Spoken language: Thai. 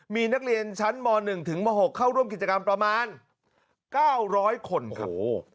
มีนักเรียนชั้นบ๑๖เข้าร่วมกิจกรรมประมาณ๙๐๐คนครับ